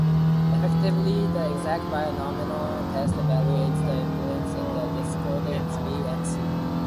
Effectively, the exact binomial test evaluates the imbalance in the discordants "b" and "c".